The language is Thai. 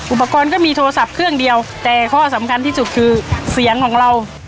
อุปกรณ์ก็มีโทรศัพท์เครื่องเดียวแต่ข้อสำคัญที่สุดคือเสียงของเรา